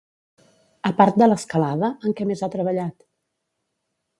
A part de l'escalada, en què més ha treballat?